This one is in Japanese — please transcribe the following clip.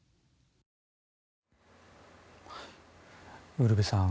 ウルヴェさん